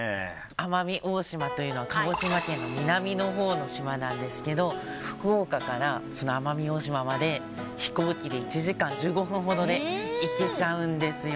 奄美大島というのは鹿児島県の南の方の島なんですけど福岡から奄美大島まで飛行機で１時間１５分ほどで行けちゃうんですよ